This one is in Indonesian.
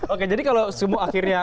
oke jadi kalau semua akhirnya